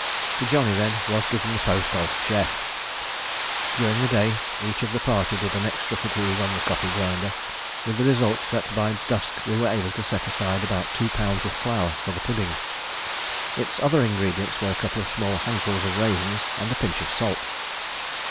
To Johnny then was given the post of chef. During the day each of the party did an extra fatigue on the coffee grinder, with the result that by dusk we were able to set aside about two pounds of flour for the pudding. Its other ingredients were a couple of small handfuls of raisins and a pinch of salt.